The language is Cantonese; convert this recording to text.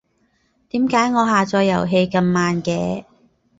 點解我下載遊戲咁慢嘅？